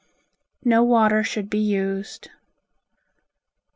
No water should be used.